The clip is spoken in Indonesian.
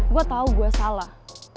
gue tau gue salah